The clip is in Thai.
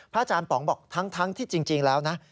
อาจารย์ป๋องบอกทั้งที่จริงแล้วนะ